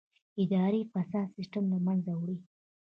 اداري فساد سیستم له منځه وړي.